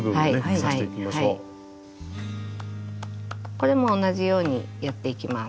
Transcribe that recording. これも同じようにやっていきます。